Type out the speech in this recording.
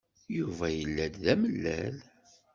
Yuba yella-d d amalal.